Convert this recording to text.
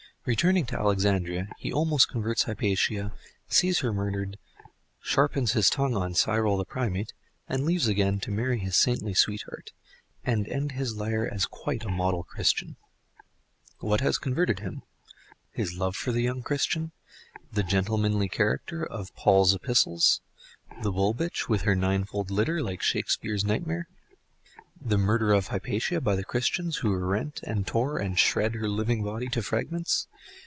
Returning to Alexandria, he almost converts Hypatia, sees her murdered, sharpens his tongue on Cyril the primate, and leaves again to marry his saintly sweetheart, and end his lire as quite a model Christian. What has converted him? His love for the young Christian? the gentlemanly character of Paul's Epistles? the bull bitch with her ninefold litter, like Shakespere's nightmare? the murder of Hypatia by the Christians, who rent, and tore and shred her living body to fragments?